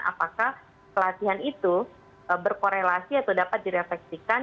apakah pelatihan itu berkorelasi atau dapat direfleksikan